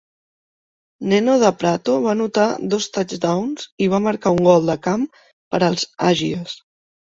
Neno DaPrato va anotar dos touchdowns i va marcar un gol de camp per als Aggies.